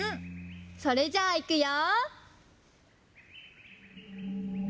それじゃあいくよ！